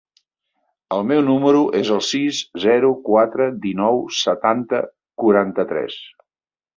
El meu número es el sis, zero, quatre, dinou, setanta, quaranta-tres.